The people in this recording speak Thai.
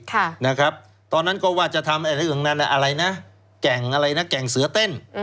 ค่ะนะครับตอนนั้นก็ว่าจะทำอะไรอย่างนั้นอะไรนะแก่งอะไรนะแก่งเสือเต้น